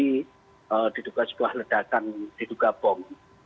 ini diduga sebuah ledakan diduga bom